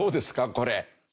これ。